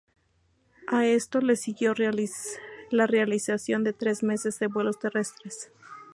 A esto le siguió la realización de tres meses de vuelos terrestres.